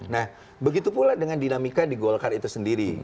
nah begitu pula dengan dinamika di golkar itu sendiri